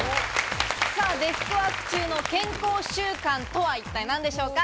デスクワーク中の健康習慣とは一体何でしょうか。